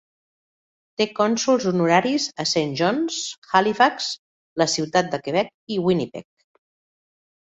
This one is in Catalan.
Té cònsols honoraris a Saint John's, Halifax, la ciutat de Quebec i Winnipeg.